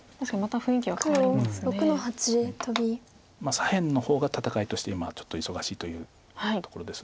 左辺の方が戦いとして今ちょっと忙しいというところです。